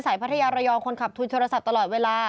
พัทยาระยองคนขับทุนโทรศัพท์ตลอดเวลา